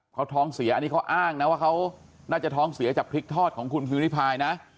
เขาท้องเสียอันนี้เขาอ้างนะว่าเขาน่าจะท้องเสียจากพริกทอดของคุณพิวริพายนะ